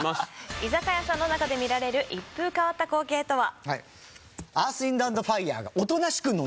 居酒屋さんの中で見られる一風変わった光景とは？